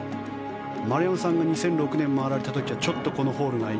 丸山さんが２００６年に回られた時はちょっとこのホールが。